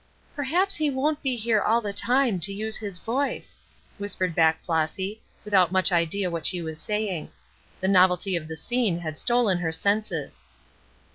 "Perhaps he won't be here all the time to use his voice," whispered back Flossy, without much idea what she was saying. The novelty of the scene had stolen her senses.